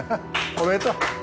おめでとう！